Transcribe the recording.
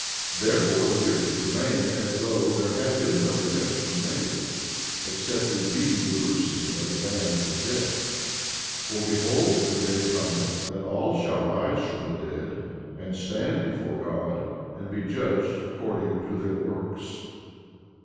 11:41 Therefore the wicked remain as though there had been no redemption made, except it be the loosing of the bands of death; for behold, the day cometh that all shall rise from the dead and stand before God, and be judged according to their works.